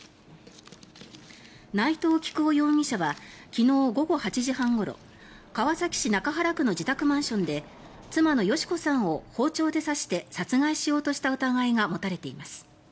内藤起久雄容疑者は昨日午後８時半ごろ川崎市中原区の自宅マンションで妻の佳子さんを包丁で刺して殺害しようとした疑いが持たれています。